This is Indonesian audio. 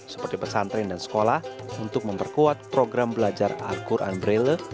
seperti pesantren dan sekolah untuk memperkuat program belajar al quran braille